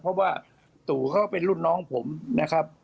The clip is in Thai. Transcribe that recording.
เพราะว่าตู่เขาก็เป็นรุ่นน้องผมนะครับ